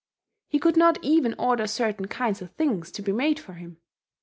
He could not even order certain kinds of things to be made for him.